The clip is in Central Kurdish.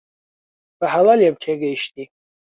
بەهەڵە لێم تێگەیشتی.